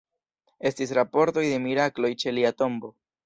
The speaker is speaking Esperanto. Estis raportoj de mirakloj ĉe lia tombo.